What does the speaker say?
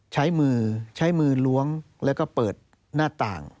ใช้มือใช้มือล้วงแล้วก็เปิดหน้าต่าง